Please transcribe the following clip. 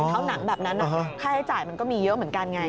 เท้าหนังแบบนั้นค่าใช้จ่ายมันก็มีเยอะเหมือนกันไง